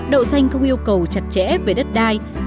đậu xanh không yêu cầu chặt chẽ về đất đai